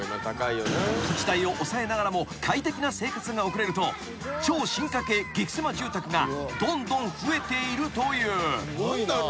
［土地代を抑えながらも快適な生活が送れると超進化系激せま住宅がどんどん増えているという］